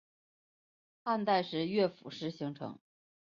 汉代时乐府诗形成。